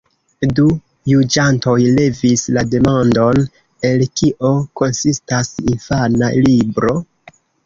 Du juĝantoj levis la demandon, el kio konsistas infana libro?